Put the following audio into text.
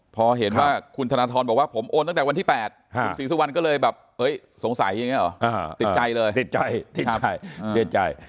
พอเห็นว่าคุณธนทรบอกว่าผมโอนตั้งแต่วันที่๘ศรีสุวรรณก็เลยแบบสงสัยอย่างนี้หรอติดใจเลย